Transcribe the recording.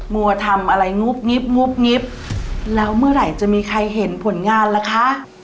บัวทำอะไรงุบงิบงุบงิบแล้วเมื่อไหร่จะมีใครเห็นผลงานล่ะคะ